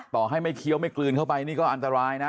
ถ้าเขียวไม่กลืนเข้าไปนี่ก็อันตรายนะ